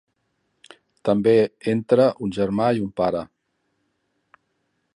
També entre un germà i un pare.